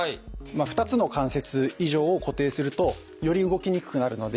２つの関節以上を固定するとより動きにくくなるので。